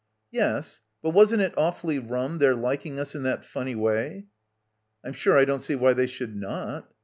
"Yes, but wasn't it awfully rum their liking us in that funny way?" "Pm sure I don't see why they should not."